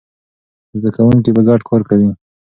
زده کوونکي به ګډ کار کوي.